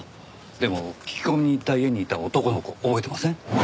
でも聞き込みに行った家にいた男の子覚えてません？